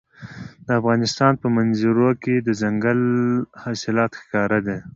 د افغانستان په منظره کې دځنګل حاصلات ښکاره ده.